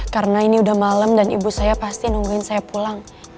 karena ini udah malem dan ibu saya pasti nungguin saya pulang